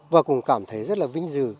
và cũng cảm thấy rất là vinh dự